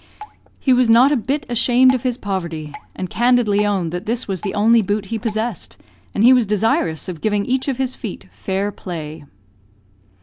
He was not a bit ashamed of his poverty, and candidly owned that this was the only boot he possessed, and he was desirous of giving each of his feet fair play.